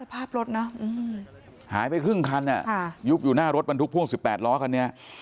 ภาพรถเนอะหายไปครึ่งคันยุบอยู่หน้ารถบรรทุกพ่วง๑๘ล้อคันนี้